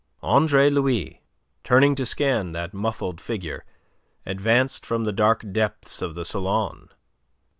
Andre Louis, turning to scan that muffled figure, advanced from the dark depths of the salon.